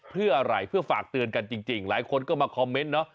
เพื่ออะไรเพื่อฝากเตือนกันจริงหลายคนก็มาคอมเมนต์เนาะ